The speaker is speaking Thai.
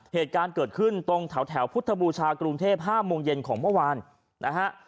เหตุการณ์เกิดขึ้นตรงแถวพุทธบูชากรุงเทพ๕โมงเย็นของเมื่อวานนะฮะ